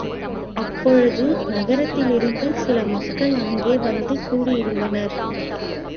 அப்பொழுது நகரத்திலிருந்து சில மக்கள் அங்கே வந்து கூடியிருந்தனர்.